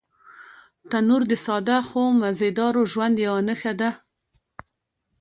تنور د ساده خو مزيدار ژوند یوه نښه ده